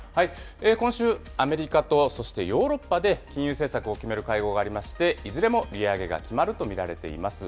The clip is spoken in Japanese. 今週、アメリカとそしてヨーロッパで、金融政策を決める会合がありまして、いずれも利上げが決まると見られています。